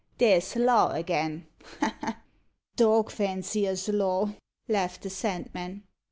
There's law again ha, ha!" "Dog fancier's law!" laughed the Sandman.